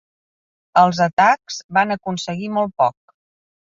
Els atacs van aconseguir molt poc.